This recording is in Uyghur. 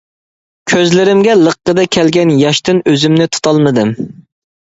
كۆزلىرىمگە لىققىدە كەلگەن ياشتىن ئۆزۈمنى تۇتالمىدىم.